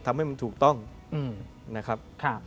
ทำให้มันถูกต้องนะครับ